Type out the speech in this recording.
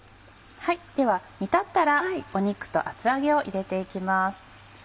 では煮立ったら肉と厚揚げを入れて行きます。